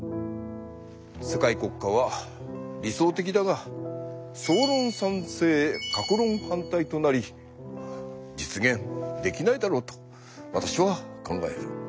世界国家は理想的だが総論賛成各論反対となり実現できないだろうと私は考える。